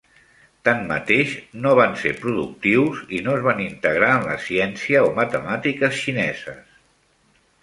Tanmateix, no van ser productius i no es van integrar en la ciència o matemàtiques xineses.